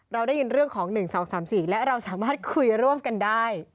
เราได้ยินเรื่องของ๑๒๓๔และเราสามารถคุยร่วมกันได้